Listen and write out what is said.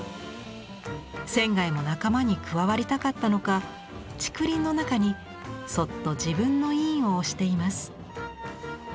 仙も仲間に加わりたかったのか竹林の中にそっと自分の印を押しています。